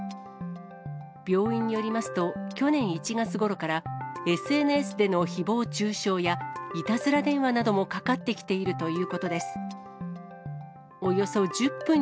病院によりますと、去年１月ごろから、ＳＮＳでのひぼう中傷や、いたずら電話などもかかってきているということです。